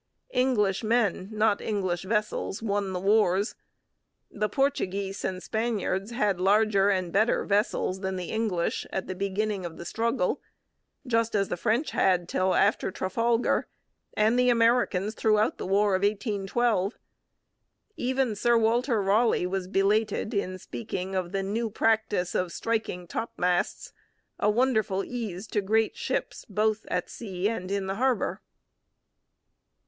English men, not English vessels, won the wars. The Portuguese and Spaniards had larger and better vessels than the English at the beginning of the struggle, just as the French had till after Trafalgar, and the Americans throughout the War of 1812. Even Sir Walter Raleigh was belated in speaking of the 'new' practice of striking topmasts, 'a wonderful ease to great ships, both at sea and in the harbour.'